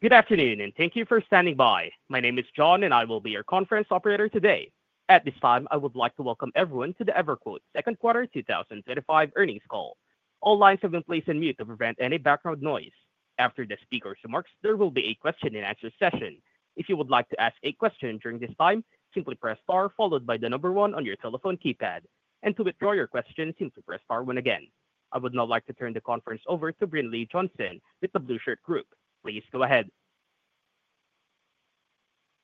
Good afternoon and thank you for standing by. My name is John and I will be your conference operator today. At this time, I would like to welcome everyone to the EverQuote second quarter 2025 earnings call. All lines have been placed on mute to prevent any background noise. After the speaker's remarks, there will be a question and answer session. If you would like to ask a question during this time, simply press star followed by the number one on your telephone keypad. To withdraw your question, simply press star one again. I would now like to turn the conference over to Brinlea Johnson with the Blue Shirt Group. Please go ahead.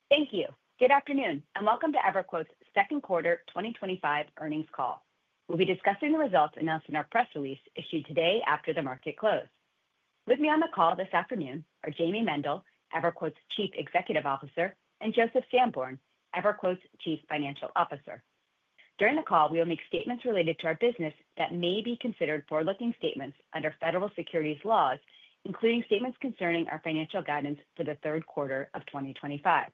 Thank you. Good afternoon and welcome to EverQuote's second quarter 2025 earnings call. We'll be discussing the results announced in our press release issued today after the market closed. With me on the call this afternoon are Jayme Mendal, EverQuote's Chief Executive Officer, and Joseph Sanborn, EverQuote's Chief Financial Officer. During the call, we will make statements related to our business that may be considered forward-looking statements under federal securities laws, including statements concerning our financial guidance for the third quarter of 2025.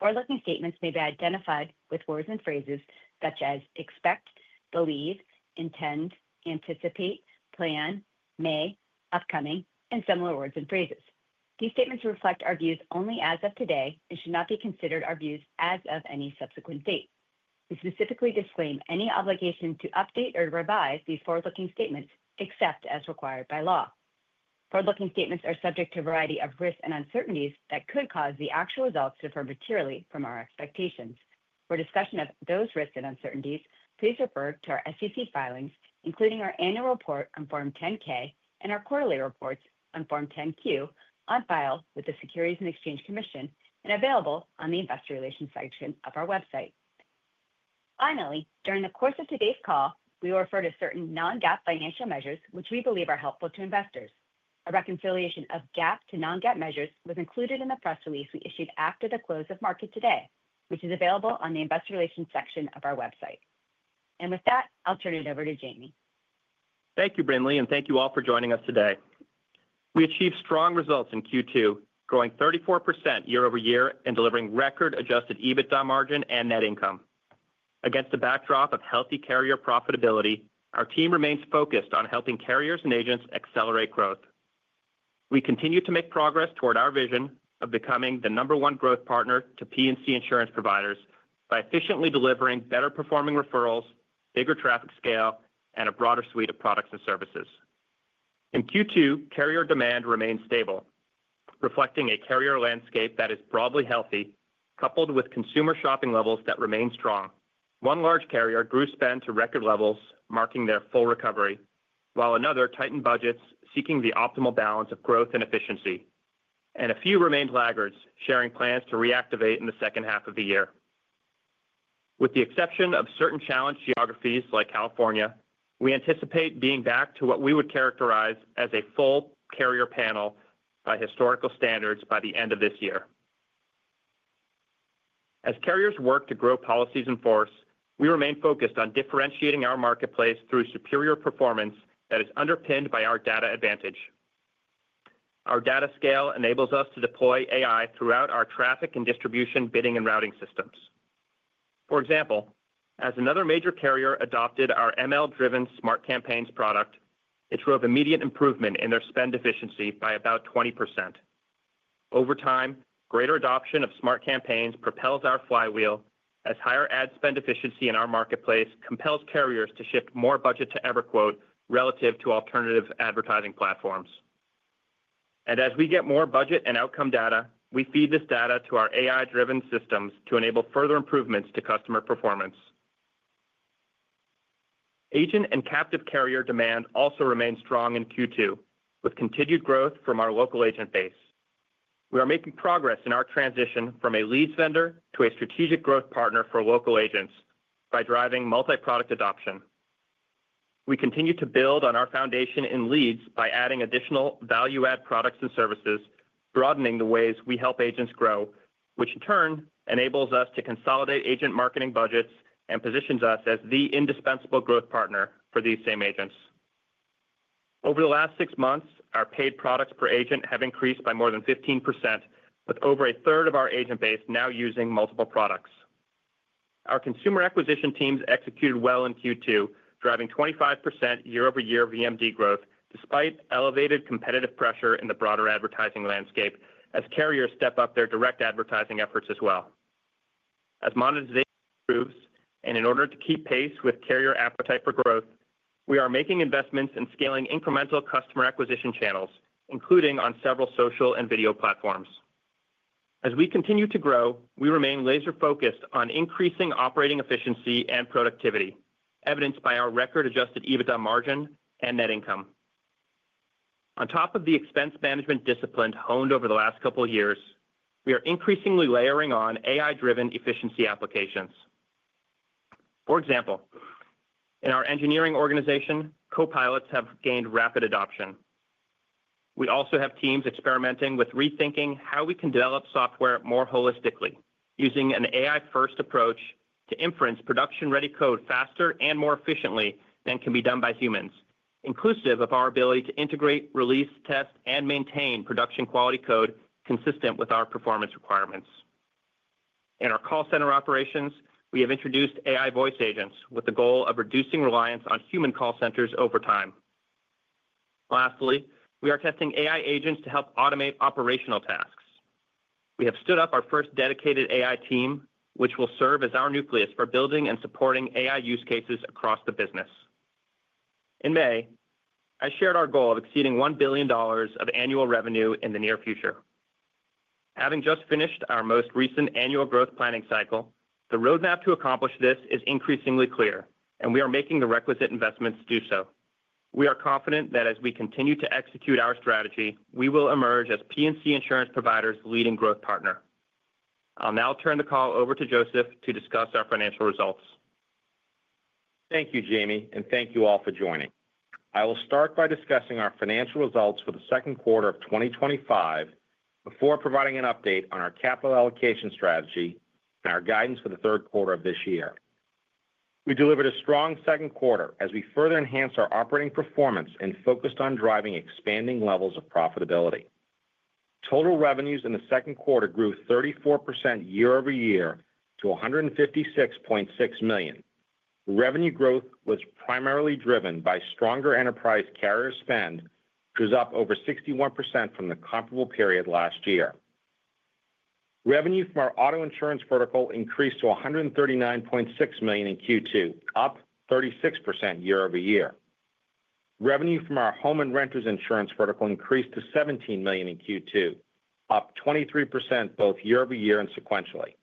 Forward-looking statements may be identified with words and phrases such as expect, believe, intend, anticipate, plan, may, upcoming, and similar words and phrases. These statements reflect our views only as of today and should not be considered our views as of any subsequent date. We specifically disclaim any obligation to update or revise these forward-looking statements except as required by law. Forward-looking statements are subject to a variety of risks and uncertainties that could cause the actual results to differ materially from our expectations. For discussion of those risks and uncertainties, please refer to our SEC filings, including our annual report on Form 10-K and our quarterly reports on Form 10-Q on file with the Securities and Exchange Commission and available on the Investor Relations section of our website. Finally, during the course of today's call, we will refer to certain non-GAAP financial measures, which we believe are helpful to investors. A reconciliation of GAAP to non-GAAP measures was included in the press release we issued after the close of market today, which is available on the Investor Relations section of our website. With that, I'll turn it over to Jayme. Thank you, Brinlea, and thank you all for joining us today. We achieved strong results in Q2, growing 34% year-over-year and delivering record adjusted EBITDA margin and net income. Against the backdrop of healthy carrier profitability, our team remains focused on helping carriers and agents accelerate growth. We continue to make progress toward our vision of becoming the number one growth partner to P&C insurance providers by efficiently delivering better performing referrals, bigger traffic scale, and a broader suite of products and services. In Q2, carrier demand remained stable, reflecting a carrier landscape that is broadly healthy, coupled with consumer shopping levels that remain strong. One large carrier grew spend to record levels, marking their full recovery, while another tightened budgets, seeking the optimal balance of growth and efficiency. A few remained laggards, sharing plans to reactivate in the second half of the year. With the exception of certain challenged geographies like California, we anticipate being back to what we would characterize as a full carrier panel by historical standards by the end of this year. As carriers work to grow policies in force, we remain focused on differentiating our marketplace through superior performance that is underpinned by our data advantage. Our data scale enables us to deploy AI throughout our traffic and distribution bidding and routing systems. For example, as another major carrier adopted our machine-learning-driven Smart Campaigns product, it drove immediate improvement in their spend efficiency by about 20%. Over time, greater adoption of Smart Campaigns propels our flywheel, as higher ad spend efficiency in our marketplace compels carriers to shift more budget to EverQuote relative to alternative advertising platforms. As we get more budget and outcome data, we feed this data to our AI-driven systems to enable further improvements to customer performance. Agent and captive carrier demand also remains strong in Q2, with continued growth from our local agent base. We are making progress in our transition from a leads vendor to a strategic growth partner for local agents by driving multi-product adoption. We continue to build on our foundation in leads by adding additional value-added products and services, broadening the ways we help agents grow, which in turn enables us to consolidate agent marketing budgets and positions us as the indispensable growth partner for these same agents. Over the last six months, our paid products per agent have increased by more than 15%, with over a third of our agent base now using multiple products. Our consumer acquisition teams executed well in Q2, driving 25% year-over-year VMD growth, despite elevated competitive pressure in the broader advertising landscape, as carriers step up their direct advertising efforts as well. As monetization improves, and in order to keep pace with carrier appetite for growth, we are making investments in scaling incremental customer acquisition channels, including on several social and video platforms. As we continue to grow, we remain laser-focused on increasing operating efficiency and productivity, evidenced by our record adjusted EBITDA margin and net income. On top of the expense management discipline honed over the last couple of years, we are increasingly layering on AI-driven efficiency applications. For example, in our engineering organization, copilots have gained rapid adoption. We also have teams experimenting with rethinking how we can develop software more holistically, using an AI-first approach to inference production-ready code faster and more efficiently than can be done by humans, inclusive of our ability to integrate, release, test, and maintain production quality code consistent with our performance requirements. In our call center operations, we have introduced AI voice agents with the goal of reducing reliance on human call centers over time. Lastly, we are testing AI agents to help automate operational tasks. We have stood up our first dedicated AI team, which will serve as our nucleus for building and supporting AI use cases across the business. In May, I shared our goal of exceeding $1 billion of annual revenue in the near future. Having just finished our most recent annual growth planning cycle, the roadmap to accomplish this is increasingly clear, and we are making the requisite investments to do so. We are confident that as we continue to execute our strategy, we will emerge as P&C insurance providers' leading growth partner. I'll now turn the call over to Joseph to discuss our financial results. Thank you, Jayme, and thank you all for joining. I will start by discussing our financial results for the second quarter of 2025 before providing an update on our capital allocation strategy and our guidance for the third quarter of this year. We delivered a strong second quarter as we further enhanced our operating performance and focused on driving expanding levels of profitability. Total revenues in the second quarter grew 34% year-over-year to $156.6 million. Revenue growth was primarily driven by stronger enterprise carrier spend, which was up over 61% from the comparable period last year. Revenue from our auto insurance vertical increased to $139.6 million in Q2, up 36% year-over-year. Revenue from our home and renters insurance vertical increased to $17 million in Q2, up 23% both year-over-year and sequentially.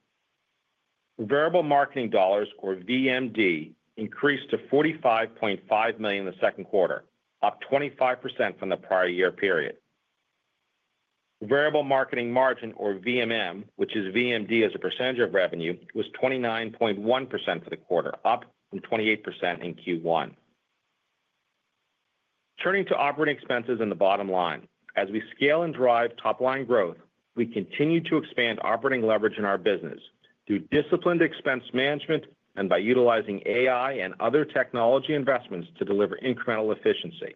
Variable marketing dollars, or VMD, increased to $45.5 million in the second quarter, up 25% from the prior year period. Variable marketing margin, or VMM, which is VMD as a percentage of revenue, was 29.1% for the quarter, up from 28% in Q1. Turning to operating expenses in the bottom line, as we scale and drive top-line growth, we continue to expand operating leverage in our business through disciplined expense management and by utilizing AI and other technology investments to deliver incremental efficiency.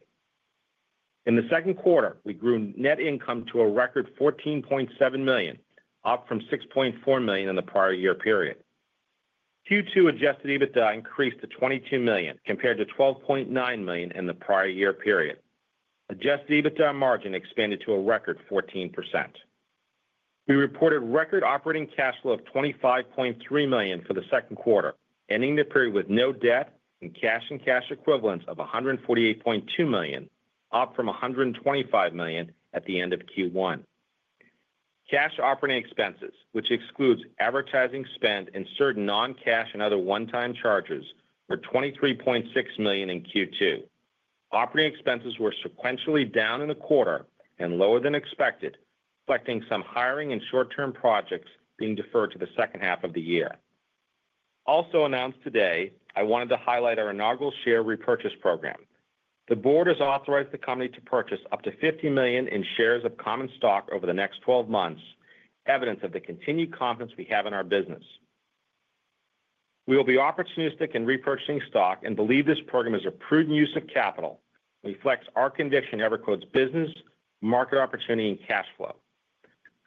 In the second quarter, we grew net income to a record $14.7 million, up from $6.4 million in the prior year period. Q2 adjusted EBITDA increased to $22 million, compared to $12.9 million in the prior year period. Adjusted EBITDA margin expanded to a record 14%. We reported record operating cash flow of $25.3 million for the second quarter, ending the period with no debt and cash and cash equivalents of $148.2 million, up from $125 million at the end of Q1. Cash operating expenses, which excludes advertising spend and certain non-cash and other one-time charges, were $23.6 million in Q2. Operating expenses were sequentially down in the quarter and lower than expected, reflecting some hiring and short-term projects being deferred to the second half of the year. Also announced today, I wanted to highlight our inaugural share repurchase program. The board has authorized the company to purchase up to $50 million in shares of common stock over the next 12 months, evidence of the continued confidence we have in our business. We will be opportunistic in repurchasing stock and believe this program is a prudent use of capital and reflects our conviction in EverQuote's business, market opportunity, and cash flow.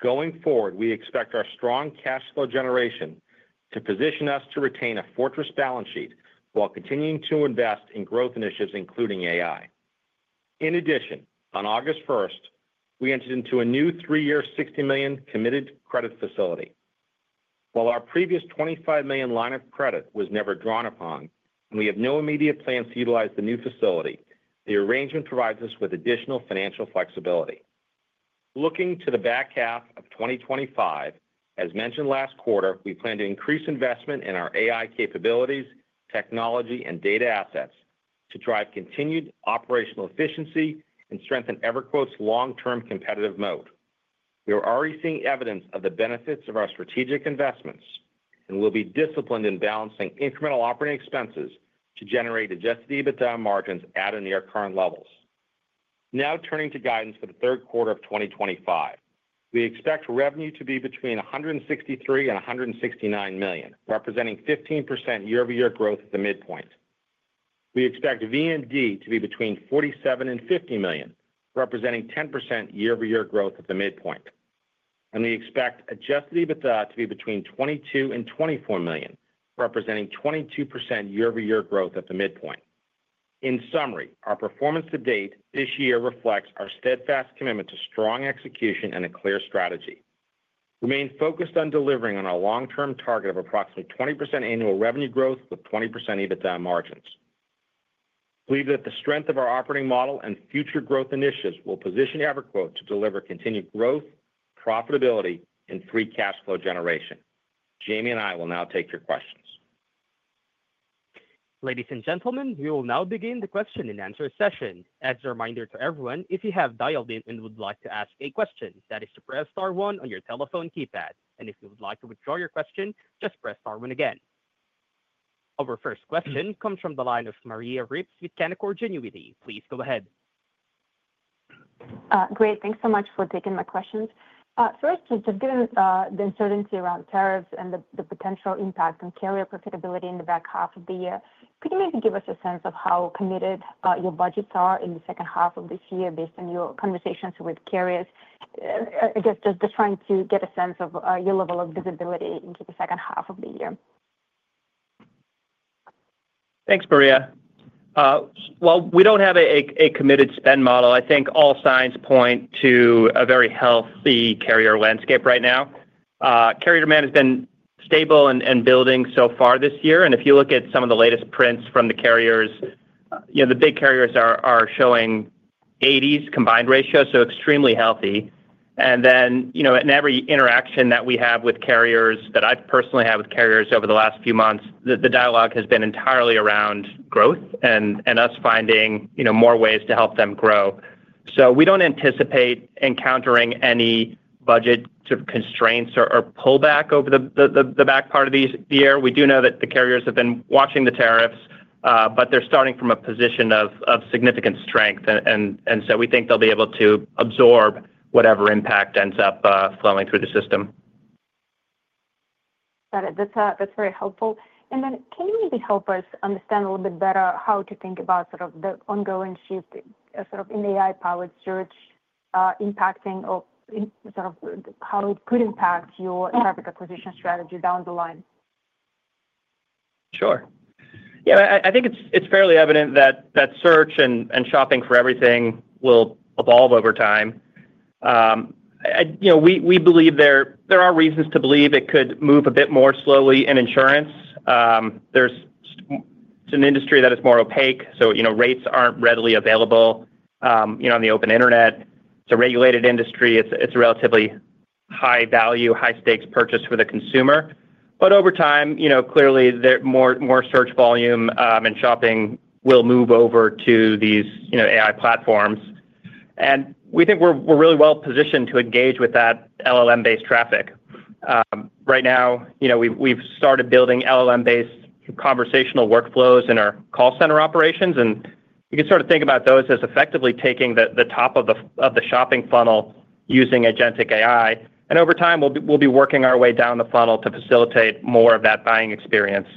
Going forward, we expect our strong cash flow generation to position us to retain a fortress balance sheet while continuing to invest in growth initiatives, including AI. In addition, on August 1, we entered into a new three-year $60 million committed credit facility. While our previous $25 million line of credit was never drawn upon and we have no immediate plans to utilize the new facility, the arrangement provides us with additional financial flexibility. Looking to the back half of 2025, as mentioned last quarter, we plan to increase investment in our AI capabilities, technology, and data assets to drive continued operational efficiency and strengthen EverQuote's long-term competitive moat. We are already seeing evidence of the benefits of our strategic investments and will be disciplined in balancing incremental operating expenses to generate adjusted EBITDA margins at or near current levels. Now turning to guidance for the third quarter of 2025, we expect revenue to be between $163 million and $169 million, representing 15% year-over-year growth at the midpoint. We expect VMD to be between $47 million and $50 million, representing 10% year-over-year growth at the midpoint. We expect adjusted EBITDA to be between $22 million and $24 million, representing 22% year-over-year growth at the midpoint. In summary, our performance to date this year reflects our steadfast commitment to strong execution and a clear strategy. We remain focused on delivering on our long-term target of approximately 20% annual revenue growth with 20% EBITDA margins. We believe that the strength of our operating model and future growth initiatives will position EverQuote to deliver continued growth, profitability, and free cash flow generation. Jayme and I will now take your questions. Ladies and gentlemen, we will now begin the question and answer session. As a reminder to everyone, if you have dialed in and would like to ask a question, that is to press star one on your telephone keypad. If you would like to withdraw your question, just press star one again. Our first question comes from the line of Maria Ripps with Canaccord Genuity. Please go ahead. Great, thanks so much for taking my questions. First, just given the uncertainty around tariffs and the potential impact on carrier profitability in the back half of the year, could you maybe give us a sense of how committed your budgets are in the second half of this year based on your conversations with carriers? I guess just trying to get a sense of your level of visibility into the second half of the year. Thanks, Maria. We don't have a committed spend model. I think all signs point to a very healthy carrier landscape right now. Carrier demand has been stable and building so far this year. If you look at some of the latest prints from the carriers, the big carriers are showing 80% combined ratio, so extremely healthy. In every interaction that we have with carriers that I've personally had with carriers over the last few months, the dialogue has been entirely around growth and us finding more ways to help them grow. We don't anticipate encountering any budget sort of constraints or pullback over the back part of the year. We do know that the carriers have been watching the tariffs, but they're starting from a position of significant strength. We think they'll be able to absorb whatever impact ends up flowing through the system. Got it. That's very helpful. Can you maybe help us understand a little bit better how to think about sort of the ongoing shift in AI-powered search impacting or sort of how it could impact your traffic acquisition strategy down the line? Sure. I think it's fairly evident that search and shopping for everything will evolve over time. We believe there are reasons to believe it could move a bit more slowly in insurance. It's an industry that is more opaque, so rates aren't readily available on the open internet. It's a regulated industry. It's a relatively high-value, high-stakes purchase for the consumer. Over time, clearly more search volume and shopping will move over to these AI platforms. We think we're really well positioned to engage with that LLM-based traffic. Right now, we've started building LLM-based conversational workflows in our call center operations. You can sort of think about those as effectively taking the top of the shopping funnel using agentic AI. Over time, we'll be working our way down the funnel to facilitate more of that buying experience.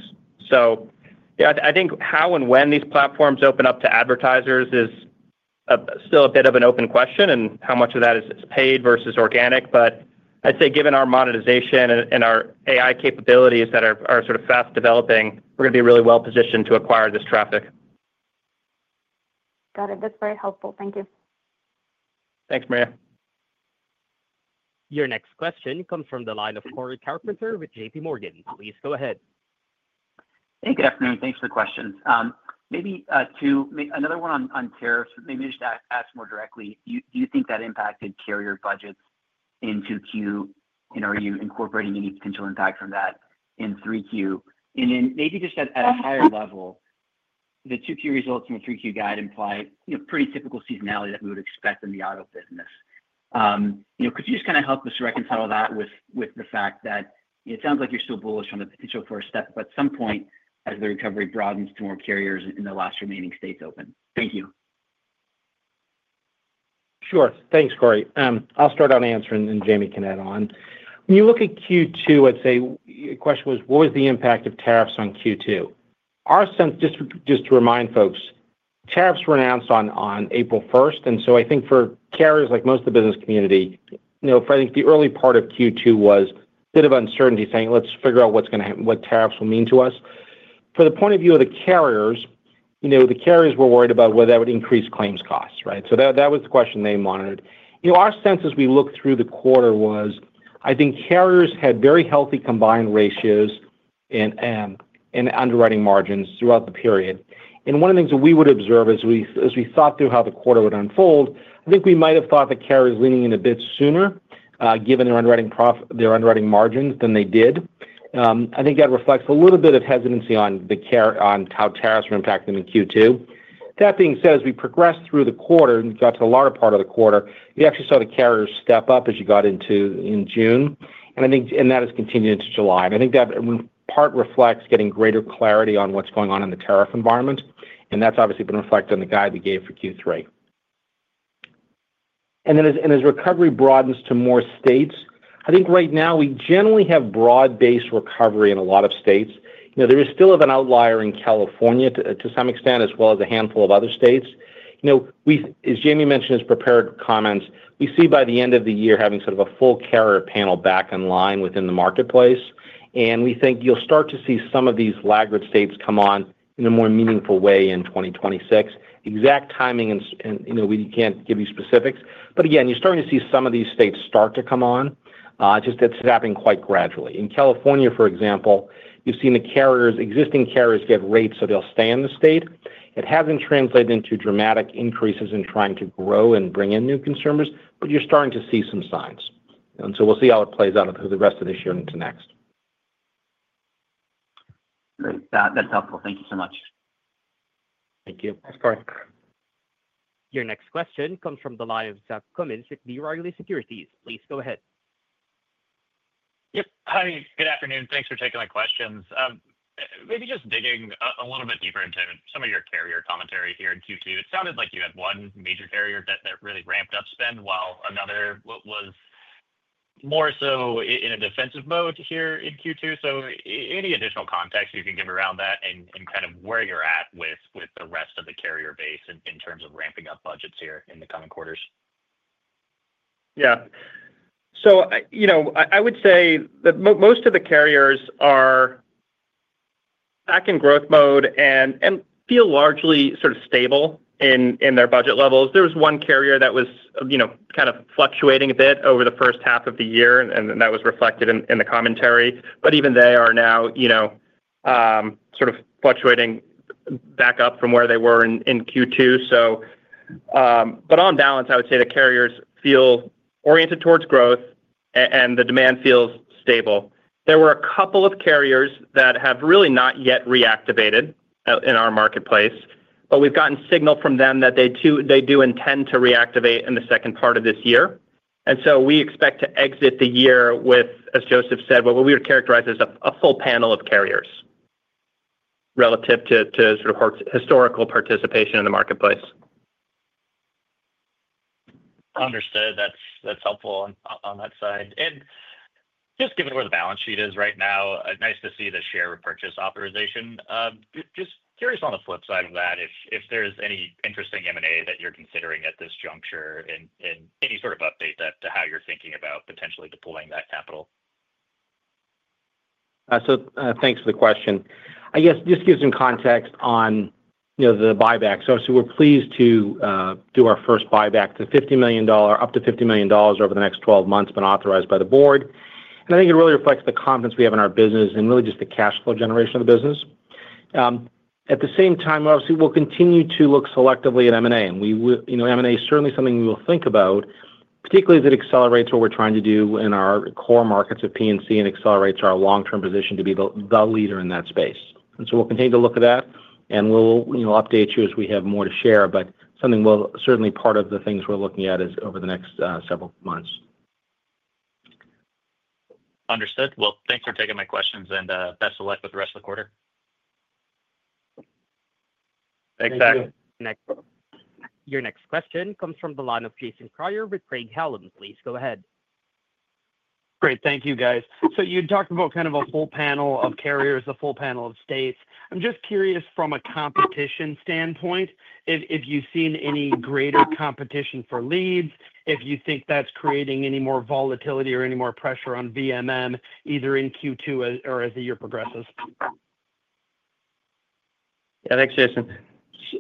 I think how and when these platforms open up to advertisers is still a bit of an open question and how much of that is paid versus organic. I'd say given our monetization and our AI capabilities that are fast developing, we're going to be really well positioned to acquire this traffic. Got it. That's very helpful. Thank you. Thanks, Maria. Your next question comes from the line of Corey Carpenter with J.P. Morgan. Please go ahead. Hey, good afternoon. Thanks for the questions. Maybe to make another one on tariffs, maybe just ask more directly, do you think that impacted carrier budgets in Q2? Are you incorporating any potential impact from that in Q3? At a higher level, the Q2 results from the Q3 guide imply pretty typical seasonality that we would expect in the auto business. Could you just kind of help us reconcile that with the fact that it sounds like you're still bullish on the potential for a step, at some point, as the recovery broadens to more carriers in the last remaining states open? Thank you. Sure. Thanks, Corey. I'll start on answering and Jayme can add on. When you look at Q2, I'd say the question was, what was the impact of tariffs on Q2? Our sense, just to remind folks, tariffs were announced on April 1. I think for carriers like most of the business community, the early part of Q2 was a bit of uncertainty saying, let's figure out what's going to happen, what tariffs will mean to us. From the point of view of the carriers, the carriers were worried about whether that would increase claims costs, right? That was the question they monitored. Our sense as we looked through the quarter was, I think carriers had very healthy combined ratios and underwriting margins throughout the period. One of the things that we would observe as we thought through how the quarter would unfold, I think we might have thought that carriers leaning in a bit sooner, given their underwriting margins, than they did. I think that reflects a little bit of hesitancy on how tariffs were impacting them in Q2. That being said, as we progressed through the quarter and got to the latter part of the quarter, we actually saw the carriers step up as you got into June. I think that has continued into July. I think that in part reflects getting greater clarity on what's going on in the tariff environment. That's obviously been reflected in the guide we gave for Q3. As recovery broadens to more states, I think right now we generally have broad-based recovery in a lot of states. There is still an outlier in California to some extent, as well as a handful of other states. As Jayme mentioned in his prepared comments, we see by the end of the year having sort of a full carrier panel back in line within the marketplace. We think you'll start to see some of these laggard states come on in a more meaningful way in 2026. Exact timing, we can't give you specifics. Again, you're starting to see some of these states start to come on. It's just that it's happening quite gradually. In California, for example, you've seen the existing carriers get rates, so they'll stay in the state. It hasn't translated into dramatic increases in trying to grow and bring in new consumers, but you're starting to see some signs. We'll see how it plays out through the rest of this year and into next. Great. That's helpful. Thank you so much. Thank you. Thanks, Corey. Your next question comes from the line of Zach Cummins at B. Riley Securities. Please go ahead. Hi. Good afternoon. Thanks for taking my questions. Maybe just digging a little bit deeper into some of your carrier commentary here in Q2. It sounded like you had one major carrier that really ramped up spend while another was more so in a defensive mode here in Q2. Any additional context you can give around that and kind of where you're at with the rest of the carrier base in terms of ramping up budgets here in the coming quarters? Yeah. I would say that most of the carriers are back in growth mode and feel largely sort of stable in their budget levels. There was one carrier that was kind of fluctuating a bit over the first half of the year, and that was reflected in the commentary. Even they are now sort of fluctuating back up from where they were in Q2. On balance, I would say the carriers feel oriented towards growth, and the demand feels stable. There were a couple of carriers that have really not yet reactivated in our marketplace, but we've gotten signal from them that they do intend to reactivate in the second part of this year. We expect to exit the year with, as Joseph said, what we would characterize as a full panel of carriers relative to sort of historical participation in the marketplace. Understood. That's helpful on that side. Just given where the balance sheet is right now, nice to see the share repurchase authorization. I'm just curious on the flip side of that if there's any interesting M&A that you're considering at this juncture and any sort of update to how you're thinking about potentially deploying that capital. Thank you for the question. I guess this gives some context on the buyback. Obviously, we're pleased to do our first buyback, up to $50 million over the next 12 months, authorized by the board. I think it really reflects the confidence we have in our business and really just the cash flow generation of the business. At the same time, obviously, we'll continue to look selectively at M&A. M&A is certainly something we will think about, particularly as it accelerates what we're trying to do in our core markets of P&C and accelerates our long-term position to be the leader in that space. We'll continue to look at that and we'll update you as we have more to share, but something that will certainly be part of the things we're looking at over the next several months. Understood. Thanks for taking my questions, and best of luck with the rest of the quarter. Thanks, Zach. Thank you. Your next question comes from the line of Jason Kreyer with Craig-Hallum. Please go ahead. Thank you, guys. You talked about kind of a full panel of carriers, a full panel of states. I'm just curious from a competition standpoint if you've seen any greater competition for leads, if you think that's creating any more volatility or any more pressure on VMM, either in Q2 or as the year progresses. Yeah, thanks, Jason. We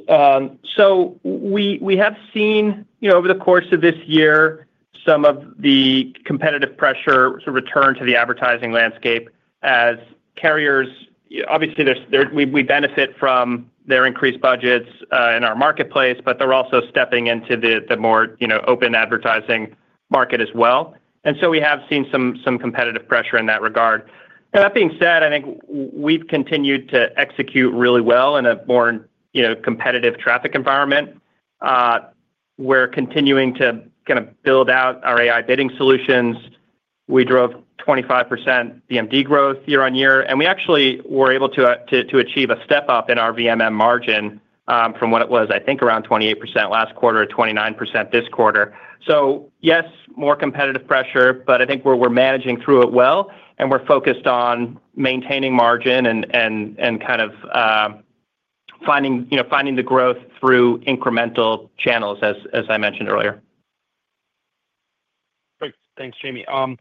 have seen, over the course of this year, some of the competitive pressure return to the advertising landscape as carriers. Obviously, we benefit from their increased budgets in our marketplace, but they're also stepping into the more open advertising market as well. We have seen some competitive pressure in that regard. That being said, I think we've continued to execute really well in a more competitive traffic environment. We're continuing to kind of build out our AI bidding solutions. We drove 25% VMD growth year-on-year, and we actually were able to achieve a step up in our VMM margin from what it was, I think, around 28% last quarter, 29% this quarter. Yes, more competitive pressure, but I think we're managing through it well. We're focused on maintaining margin and kind of finding the growth through incremental channels, as I mentioned earlier. Great. Thanks, Jayme.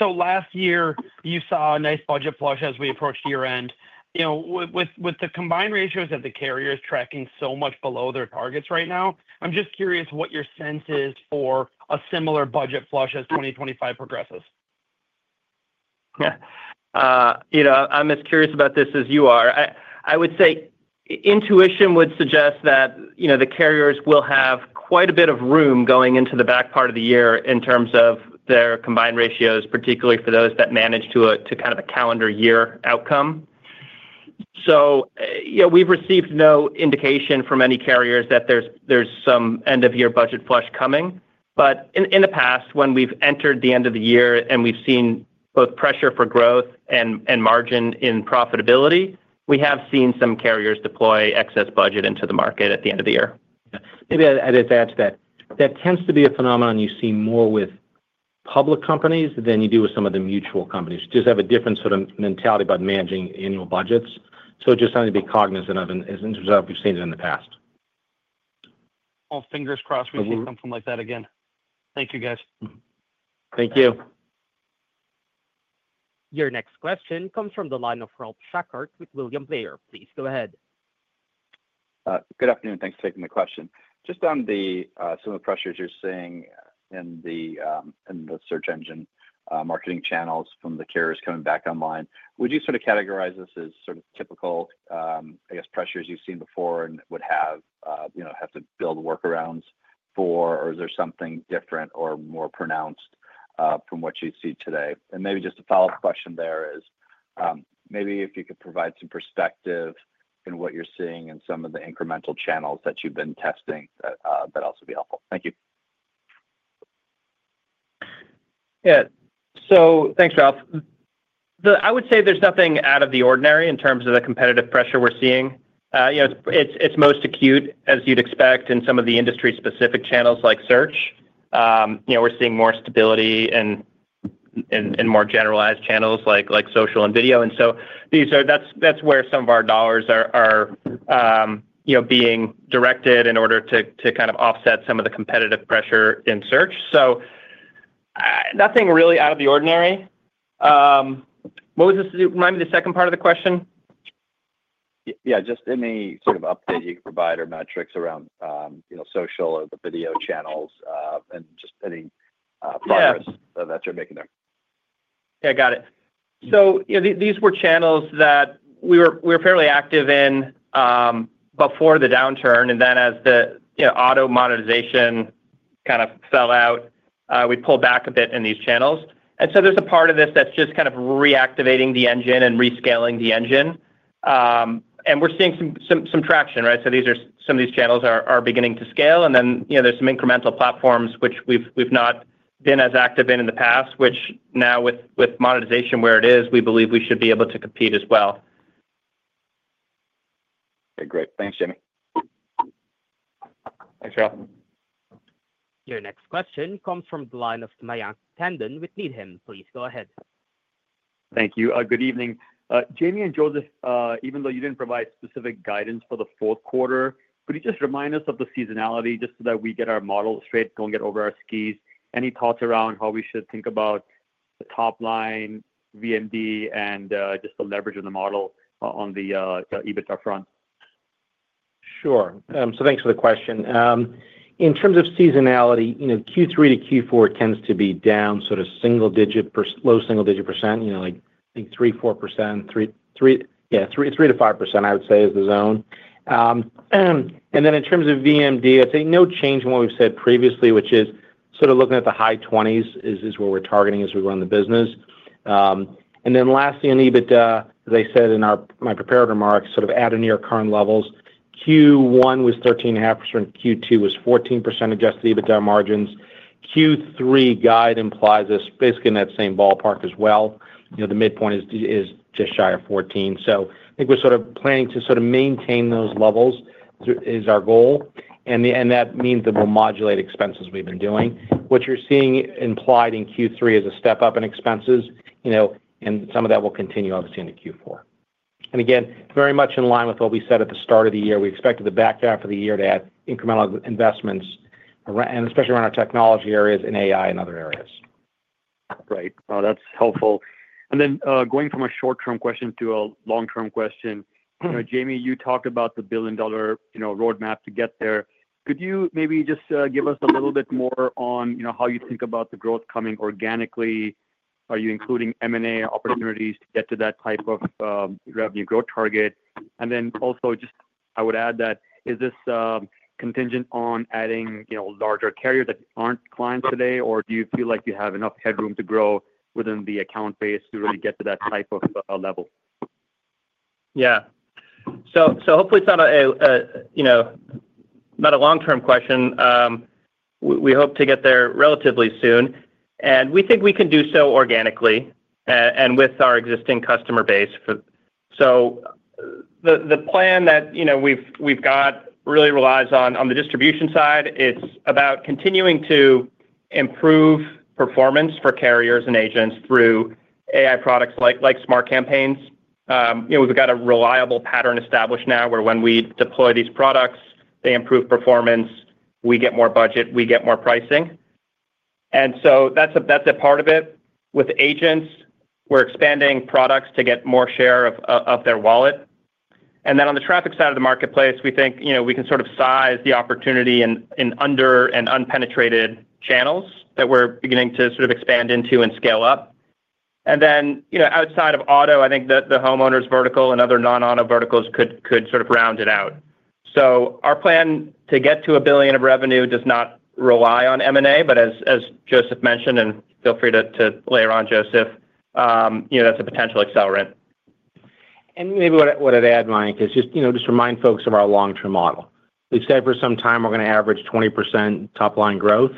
Last year, you saw a nice budget flush as we approached year-end. With the combined ratios of the carriers tracking so much below their targets right now, I'm just curious what your sense is for a similar budget flush as 2025 progresses. Yeah. I'm as curious about this as you are. I would say intuition would suggest that the carriers will have quite a bit of room going into the back part of the year in terms of their combined ratios, particularly for those that manage to kind of a calendar year outcome. We've received no indication from any carriers that there's some end-of-year budget flush coming. In the past, when we've entered the end of the year and we've seen both pressure for growth and margin in profitability, we have seen some carriers deploy excess budget into the market at the end of the year. Maybe I'd add to that. That tends to be a phenomenon you see more with public companies than you do with some of the mutual companies. You just have a different sort of mentality about managing annual budgets. Just something to be cognizant of in terms of how we've seen it in the past. Fingers crossed we see something like that again. Thank you, guys. Thank you. Your next question comes from the line of Ralph Schackart with William Blair. Please go ahead. Good afternoon. Thanks for taking my question. On some of the pressures you're seeing in the search engine marketing channels from the carriers coming back online, would you categorize this as typical pressures you've seen before and would have to build workarounds for, or is there something different or more pronounced from what you see today? Maybe if you could provide some perspective in what you're seeing in some of the incremental channels that you've been testing, that also would be helpful. Thank you. Yeah. Thanks, Ralph. I would say there's nothing out of the ordinary in terms of the competitive pressure we're seeing. It's most acute, as you'd expect, in some of the industry-specific channels like search. We're seeing more stability in more generalized channels like social and video. That's where some of our dollars are being directed in order to kind of offset some of the competitive pressure in search. Nothing really out of the ordinary. What was this, remind me of the second part of the question? Yeah, just any sort of update you could provide or metrics around, you know, social or video channels, and just any progress that you're making there. Got it. These were channels that we were fairly active in before the downturn. As the auto monetization kind of fell out, we pulled back a bit in these channels. There's a part of this that's just kind of reactivating the engine and rescaling the engine. We're seeing some traction, right? Some of these channels are beginning to scale. There are some incremental platforms, which we've not been as active in in the past, which now with monetization where it is, we believe we should be able to compete as well. Okay, great. Thanks, Jayme. Thanks, Ralph. Your next question comes from the line of Mayank Tandon with Needham. Please go ahead. Thank you. Good evening. Jayme and Joseph, even though you didn't provide specific guidance for the fourth quarter, could you just remind us of the seasonality just so that we get our model straight, don't get over our skis? Any thoughts around how we should think about the top line, VMD, and just the leverage of the model on the EBITDA front? Sure. Thanks for the question. In terms of seasonality, Q3 to Q4 tends to be down sort of single-digit, low single-digit percent, like I think 3%, 4%, 3%, yeah, 3%-5% is the zone. In terms of VMD, I'd say no change from what we've said previously, which is sort of looking at the high 20s is where we're targeting as we run the business. Lastly, on EBITDA, as I said in my prepared remarks, sort of at or near current levels, Q1 was 13.5%, Q2 was 14% adjusted EBITDA margins. Q3 guide implies us basically in that same ballpark as well. The midpoint is just shy of 14%. I think we're sort of planning to maintain those levels, is our goal. That means that we'll modulate expenses we've been doing. What you're seeing implied in Q3 is a step up in expenses, and some of that will continue, obviously, into Q4. Again, very much in line with what we said at the start of the year, we expected the back half of the year to add incremental investments, especially around our technology areas and AI and other areas. Right. Oh, that's helpful. Going from a short-term question to a long-term question, Jayme, you talked about the billion-dollar roadmap to get there. Could you maybe just give us a little bit more on how you think about the growth coming organically? Are you including M&A opportunities to get to that type of revenue growth target? I would add that is this contingent on adding larger carriers that aren't clients today, or do you feel like you have enough headroom to grow within the account base to really get to that type of level? Yeah. Hopefully, it's not a long-term question. We hope to get there relatively soon, and we think we can do so organically and with our existing customer base. The plan that we've got really relies on the distribution side. It's about continuing to improve performance for carriers and agents through AI products like Smart Campaigns. We've got a reliable pattern established now where when we deploy these products, they improve performance, we get more budget, we get more pricing, and that's a part of it. With agents, we're expanding products to get more share of their wallet. On the traffic side of the marketplace, we think we can sort of size the opportunity in under and unpenetrated channels that we're beginning to expand into and scale up. Outside of auto, I think the homeowners vertical and other non-auto verticals could sort of round it out. Our plan to get to $1 billion of revenue does not rely on M&A, but as Joseph mentioned, and feel free to layer on, Joseph, that's a potential accelerant. Maybe what I'd add, Mayank, is just, you know, just remind folks of our long-term model. We've said for some time we're going to average 20% top-line growth,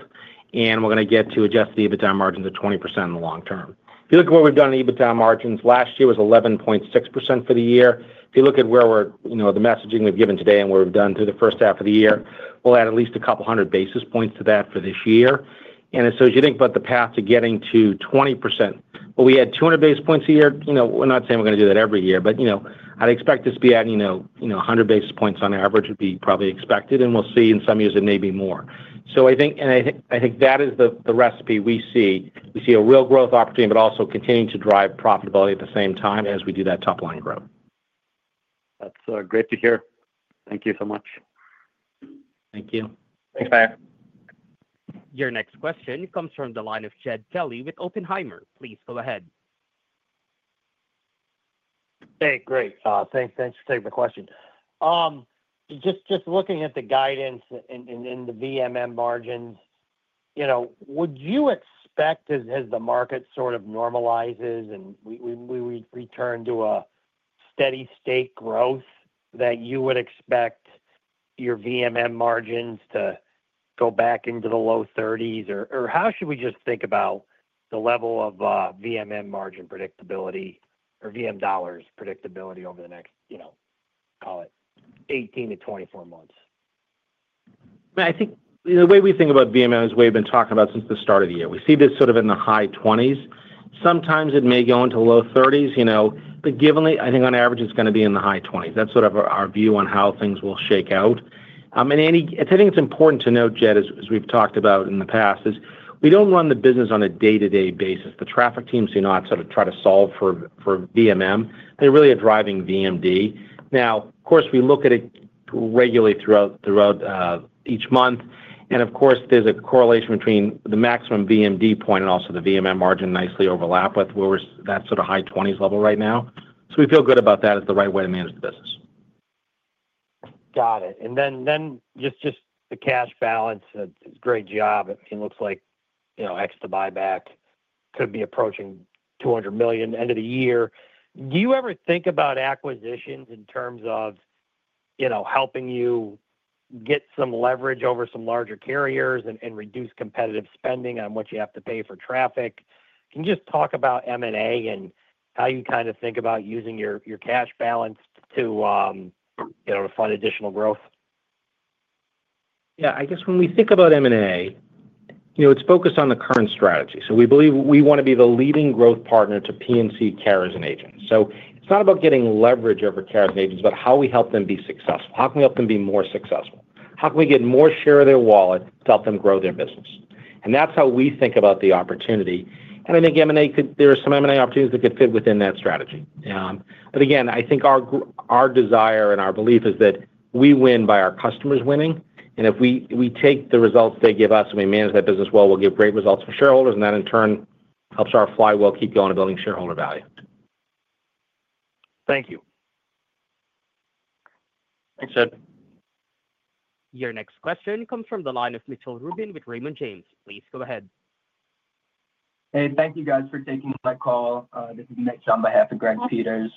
and we're going to get to adjusted EBITDA margins of 20% in the long term. If you look at what we've done in EBITDA margins, last year was 11.6% for the year. If you look at where we're, you know, the messaging we've given today and what we've done through the first half of the year, we'll add at least a couple hundred basis points to that for this year. As you think about the path to getting to 20%, we had 200 basis points a year. We're not saying we're going to do that every year, but I'd expect us to be adding, you know, 100 basis points on average would be probably expected. In some years it may be more. I think that is the recipe we see. We see a real growth opportunity, but also continuing to drive profitability at the same time as we do that top-line growth. That's great to hear. Thank you so much. Thank you. Thanks, Mayank. Your next question comes from the line of Jed Kelly with Oppenheimer. Please go ahead. Hey, great. Thanks for taking the question. Just looking at the guidance and the VMM margins, would you expect as the market sort of normalizes and we return to a steady state growth that you would expect your VMM margins to go back into the low 30%? Or how should we just think about the level of VMM margin predictability or VM dollars predictability over the next, you know, call it 18 to 24 months? I think the way we think about VMM is we've been talking about since the start of the year. We see this sort of in the high 20%. Sometimes it may go into low 30%, you know, but givenly, I think on average, it's going to be in the high 20%. That's sort of our view on how things will shake out. I think it's important to note, Jed, as we've talked about in the past, is we don't run the business on a day-to-day basis. The traffic teams do not sort of try to solve for VMM. They really are driving VMD. Of course, we look at it regularly throughout each month. Of course, there's a correlation between the maximum VMD point and also the VMM margin nicely overlap with where we're at that sort of high 20% level right now. We feel good about that as the right way to manage the business. Got it. The cash balance, it's a great job. It looks like, you know, X to buy back could be approaching $200 million end of the year. Do you ever think about acquisitions in terms of, you know, helping you get some leverage over some larger carriers and reduce competitive spending on what you have to pay for traffic? Can you just talk about M&A and how you kind of think about using your cash balance to, you know, to fund additional growth? Yeah, I guess when we think about M&A, it's focused on the current strategy. We believe we want to be the leading growth partner to P&C carriers and agents. It's not about getting leverage over carriers and agents, but how we help them be successful. How can we help them be more successful? How can we get more share of their wallet to help them grow their business? That's how we think about the opportunity. I think M&A could, there are some M&A opportunities that could fit within that strategy. Again, I think our desire and our belief is that we win by our customers winning. If we take the results they give us and we manage that business well, we'll give great results for shareholders. That in turn helps our flywheel keep going and building shareholder value. Thank you. Thanks, Jed. Your next question comes from the line of Mitchell Rubin with Raymond James. Please go ahead. Hey, thank you guys for taking my call. This is Mitch on behalf of Greg Peters.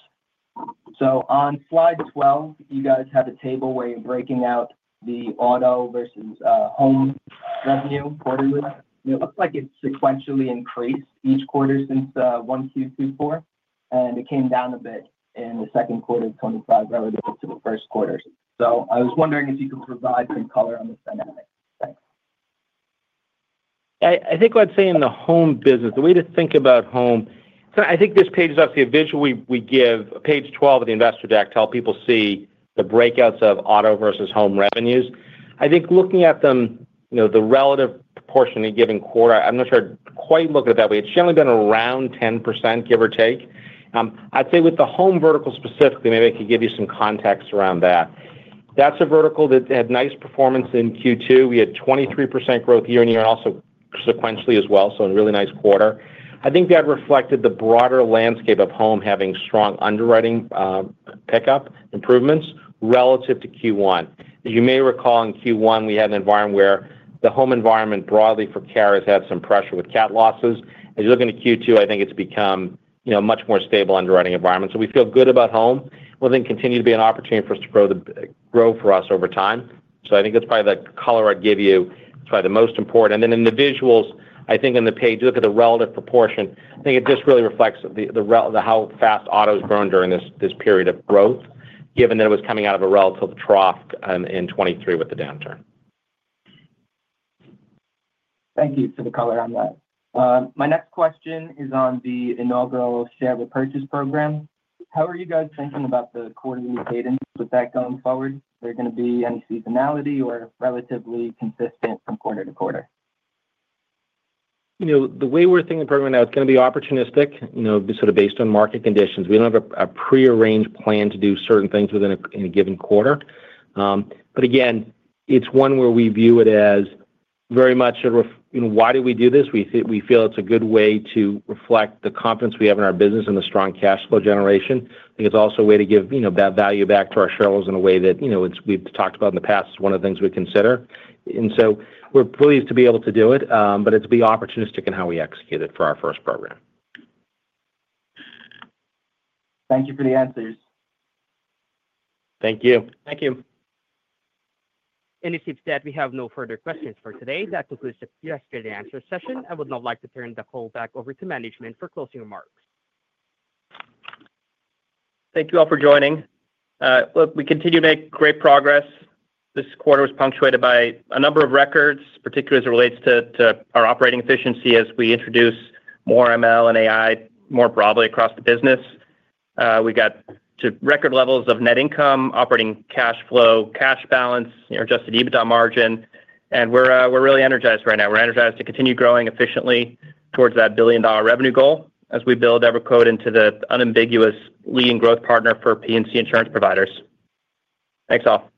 On slide 12, you guys have a table where you're breaking out the auto versus home revenue quarterly. It looks like it's sequentially increased each quarter since Q1 to Q4, and it came down a bit in the second quarter of 2025 relative to the first quarter. I was wondering if you could provide some color on this. I think I'd say in the home business, the way to think about home, this page is obviously a visual we give, page 12 of the investor deck to help people see the breakouts of auto versus home revenues. Looking at them, the relative proportion in a given quarter, I'm not sure I'd quite look at it that way. It's generally been around 10%, give or take. I'd say with the home vertical specifically, maybe I could give you some context around that. That's a vertical that had nice performance in Q2. We had 23% growth year-on-year and also sequentially as well. A really nice quarter. I think that reflected the broader landscape of home having strong underwriting pickup improvements relative to Q1. As you may recall, in Q1, we had an environment where the home environment broadly for carriers had some pressure with CAT losses. As you look into Q2, I think it's become a much more stable underwriting environment. We feel good about home. It will continue to be an opportunity for us to grow for us over time. I think that's probably the color I'd give you, is probably the most important. In the visuals, on the page, you look at the relative proportion, it just really reflects how fast auto has grown during this period of growth, given that it was coming out of a relative trough in 2023 with the downturn. Thank you for the color on that. My next question is on the inaugural share repurchase program. How are you guys thinking about the quarterly cadence with that going forward? Is there going to be any seasonality or relatively consistent from quarter to quarter? The way we're thinking the program now, it's going to be opportunistic, sort of based on market conditions. We don't have a prearranged plan to do certain things within a given quarter. Again, it's one where we view it as very much sort of, you know, why do we do this? We feel it's a good way to reflect the confidence we have in our business and the strong cash flow generation. I think it's also a way to give that value back to our shareholders in a way that we've talked about in the past is one of the things we consider. We're pleased to be able to do it, but it's to be opportunistic in how we execute it for our first program. Thank you for the answers. Thank you. Thank you. As you've said, we have no further questions for today. That concludes the Q&A session. I would now like to turn the call back over to management for closing remarks. Thank you all for joining. Look, we continue to make great progress. This quarter was punctuated by a number of records, particularly as it relates to our operating efficiency as we introduce more machine learning and AI more broadly across the business. We got to record levels of net income, operating cash flow, cash balance, adjusted EBITDA margin. We're really energized right now. We're energized to continue growing efficiently towards that billion-dollar revenue goal as we build EverQuote into the unambiguous leading growth partner for P&C insurance providers. Thanks all.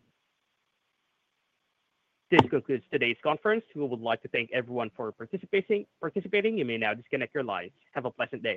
This concludes today's conference. We would like to thank everyone for participating. You may now disconnect your lines. Have a pleasant day.